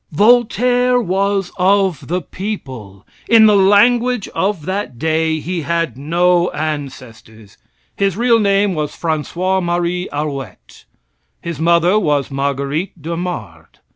Voltaire was of the people. In the language of that day, he had no ancestors. His real name was Francois Marie Arouet. His mother was Marguerite d'Aumard.